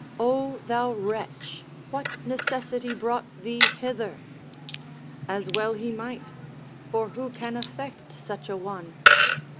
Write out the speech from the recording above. O thou wretch, what necessity brought thee hither? as well he might; for who can affect such a one?